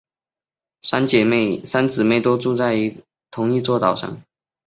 三姊妹都住在同一座岛上。